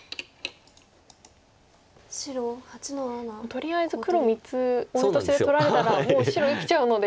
とりあえず黒３つオイオトシで取られたらもう白生きちゃうので。